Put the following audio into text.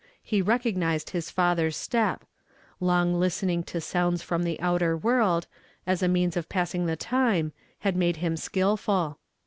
lie recognized his father's step; long listening to sounds from the outer world, as a means of passing the time, had made him skilful.